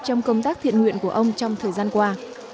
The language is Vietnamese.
trong công tác thiện nguyện của ông trong thời gian qua